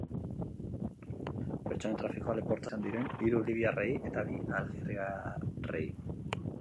Pertsonen trafikoa leportazen zaie atxilotuak izan diren hiru libiarrei eta bi algeriarrei.